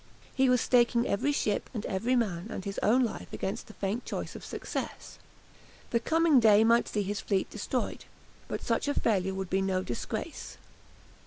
He was staking every ship and every man and his own life against the faint chance of success. The coming day might see his fleet destroyed, but such a failure would be no disgrace.